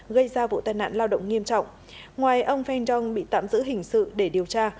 gây ra vụ tai nạn lao động nghiêm trọng ngoài ông feng dong bị tạm giữ hình sự để điều tra